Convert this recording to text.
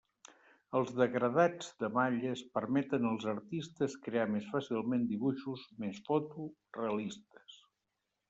Els degradats de malles permeten als artistes crear més fàcilment dibuixos més foto realistes.